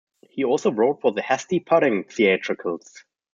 He also wrote for the Hasty Pudding Theatricals.